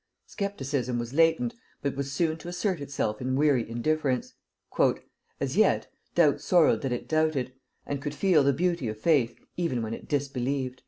Scepticism was latent, but was soon to assert itself in weary indifference. "As yet, doubt sorrowed that it doubted, and could feel the beauty of faith, even when it disbelieved."